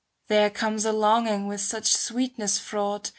There comes a longing with such sweetness fraught.